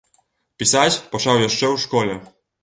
Пісаць пачаў яшчэ ў школе.